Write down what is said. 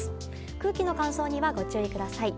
空気の乾燥にはご注意ください。